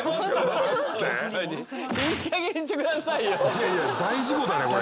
いやいや大事故だよこれ。